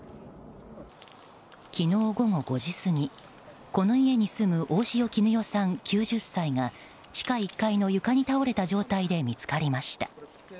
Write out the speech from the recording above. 昨日午後５時過ぎこの家に住む大塩衣与さん、９０歳が地下１階の床に倒れた状態で見つかりました。